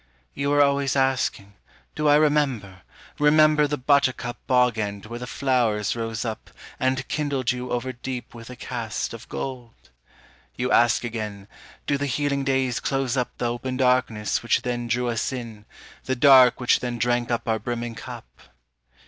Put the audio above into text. You are always asking, do I remember, remember The butter cup bog end where the flowers rose up And kindled you over deep with a cast of gold? You ask again, do the healing days close up The open darkness which then drew us in, The dark which then drank up our brimming cup.